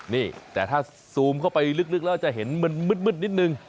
นี่แต่ถ้าซูมเข้าไปลึกแล้วจะเห็นมันมืดนิดนึง